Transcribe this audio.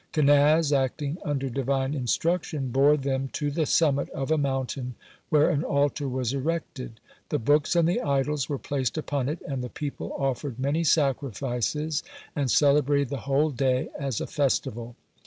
Kenaz, acting under Divine instruction, bore them to the summit of a mountain, where an altar was erected. The books and the idols were placed upon it, and the people offered many sacrifices and celebrated the whole day as a festival.